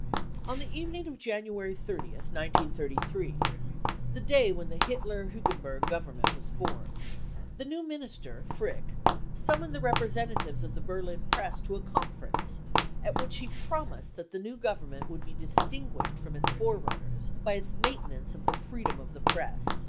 On the eve ning of January 30th, 1933 — the day when the Hitler Hugenberg Government was formed — the new Minister, Frick, summoned the representatives of the Berlin Press to a conference, at which he promised that the new Govern ment would be distinguished from its forerunners by its maintenance of the freedom of the Press.